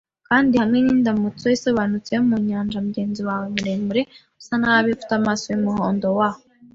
Kandi hamwe n'indamutso isobanutse yo mu nyanja, mugenzi wawe, muremure, usa nabi, ufite amaso yumuhondo wa